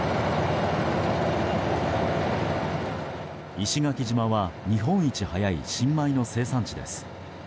石垣島は日本一早い新米の生産地です。